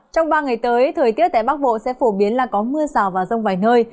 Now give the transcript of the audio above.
trong ba ngày tới thời tiết tại bắc bộ sẽ phổ biến là có mưa rào và rông vài nơi